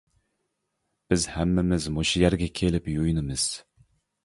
-بىز ھەممىمىز مۇشۇ يەرگە كېلىپ يۇيۇنىمىز.